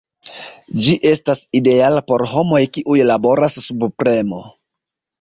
Ĝi estas ideala por homoj kiuj laboras sub premo.